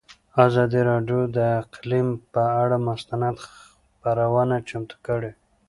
ازادي راډیو د اقلیم پر اړه مستند خپرونه چمتو کړې.